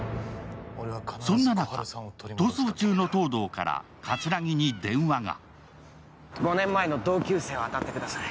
そんな中、逃走中の東堂から葛城に電話が。